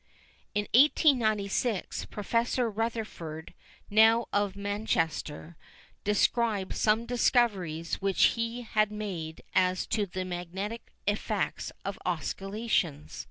In 1896 Professor Rutherford, now of Manchester, described some discoveries which he had made as to the magnetic effects of oscillations.